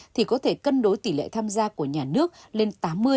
thì có thể cân đối tỷ lệ tham gia của nhà nước lên tám mươi tám mươi năm